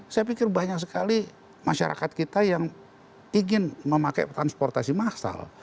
saya pikir banyak sekali masyarakat kita yang ingin memakai transportasi massal